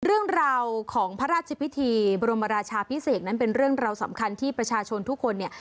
เรื่องราวของพระราชพิธีบรมราชาพิเศษนั้นเป็นเรื่องราวสำคัญที่ประชาชนทุกคนเนี่ย